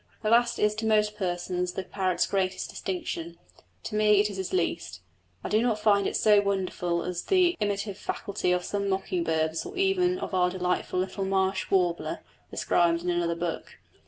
The last is to most persons the parrot's greatest distinction; to me it is his least. I do not find it so wonderful as the imitative faculty of some mocking birds or even of our delightful little marsh warbler, described in another book.